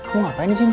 mau ngapain disini